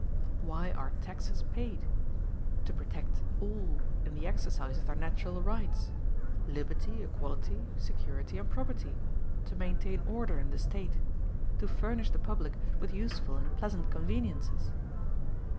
Why are taxes paid? To protect all in the exercise of their natural rights liberty, equality, security, and property; to maintain order in the State; to furnish the public with useful and pleasant conveniences.